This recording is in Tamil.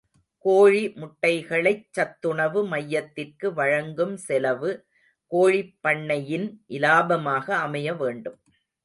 கோழி முட்டைகளைச் சத்துணவு மையத்திற்கு வாங்கும் செலவு, கோழிப் பண்ணையின் இலாபமாக அமைய வேண்டும்.